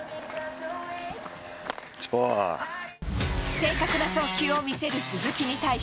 正確な送球を見せる鈴木に対し。